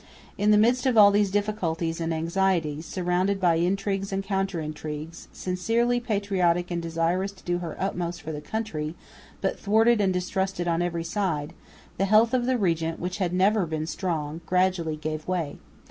In the midst of all these difficulties and anxieties, surrounded by intrigues and counter intrigues, sincerely patriotic and desirous to do her utmost for the country, but thwarted and distrusted on every side, the health of the regent, which had never been strong, gradually gave way.